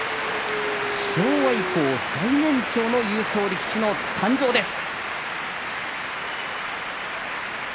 昭和以降最年長の優勝力士の誕生です。